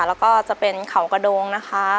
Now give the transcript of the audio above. แล้วก็จะเป็นเขากระโดงนะคะ